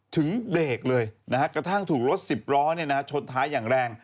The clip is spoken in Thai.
ถึงเบรกเลยนะฮะกระทั่งถูกรถสิบล้อชนท้ายอย่างแรง